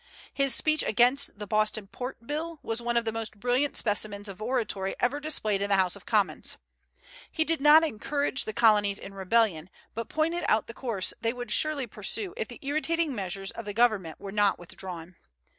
His speech against the Boston Port Bill was one of the most brilliant specimens of oratory ever displayed in the House of Commons. He did not encourage the colonies in rebellion, but pointed out the course they would surely pursue if the irritating measures of the Government were not withdrawn.